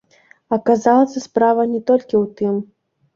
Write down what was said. Аказалася, справа не толькі ў тым.